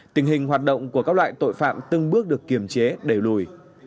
tình hình hoạt động của các loại tội phạm từng bước được kiềm chế đẩy lùi